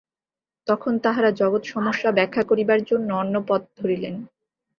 তখন তাঁহারা জগৎ-সমস্যা ব্যাখ্যা করিবার জন্য অন্য পথ ধরিলেন।